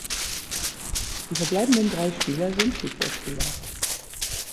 Die verbleibenden drei Spieler sind Fußballspieler.